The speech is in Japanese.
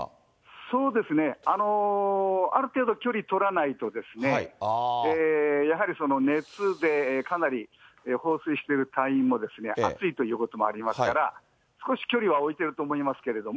そうですね、ある程度距離取らないと、やはりその熱で、かなり放水している隊員も熱いということもありますから、少し距離は置いてると思いますけれども。